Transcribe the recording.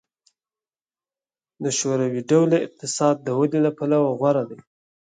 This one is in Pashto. د شوروي ډوله اقتصاد د ودې له پلوه غوره دی